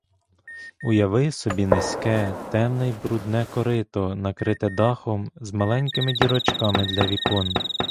Уяви собі низьке, темне й брудне корито, накрите дахом, з маленькими дірочками для вікон.